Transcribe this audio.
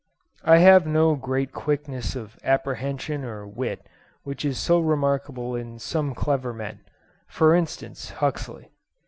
I have no great quickness of apprehension or wit which is so remarkable in some clever men, for instance, Huxley.